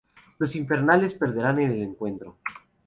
Los Infernales perderán el encuentro.